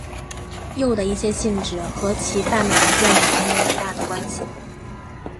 铕的一些性质和其半满的电子层有很大的关系。